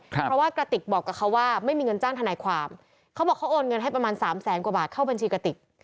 เพราะว่ากระติกบอกกับเขาว่าไม่มีเงินจ้างทนายความเขาบอกเขาโอนเงินให้ประมาณสามแสนกว่าบาทเข้าบัญชีกระติก